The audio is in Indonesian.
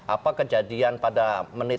apa kejadian pada menit